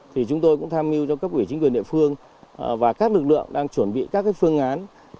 thì chúng tôi cũng tham mưu cho cấp ủy chính quyền địa phương và các lực lượng đang chuẩn bị các phương án